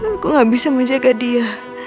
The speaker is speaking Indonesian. aku gak bisa menjaga dia